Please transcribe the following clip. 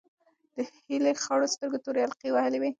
د هیلې خړو سترګو تورې حلقې وهلې وې.